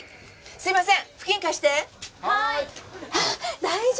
すいません。